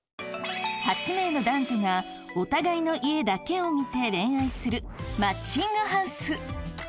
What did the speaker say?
８名の男女がお互いの家だけを見て恋愛する「マッチング♥ハウス」。